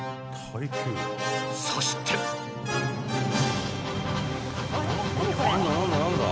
そして何？